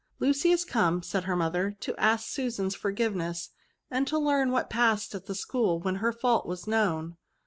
" Lucy is come," said her mother, " to ask Susan's forgiveness, and to learn what passed at the school when her fault was known."